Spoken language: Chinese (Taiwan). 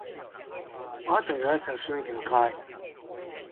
把複合句拆開